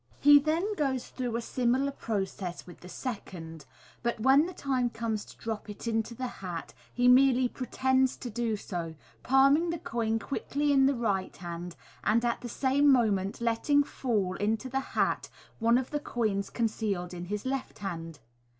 He then goes through a similar process with the second j but when the time comes to drop it into the hat, he merely pretends to do so, palming the coin quickly in the right hand, and at the same moment letting fall into the hat one of the coins concealed in his left hand.